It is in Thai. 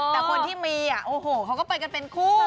แต่คนที่มีโอ้โหเขาก็ไปกันเป็นคู่